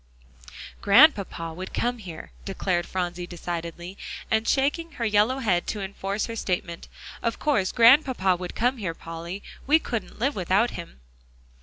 "Grandpapa would come here," declared Phronsie decidedly, and shaking her yellow head to enforce her statement. "Of course Grandpapa would come here, Polly. We couldn't live without him."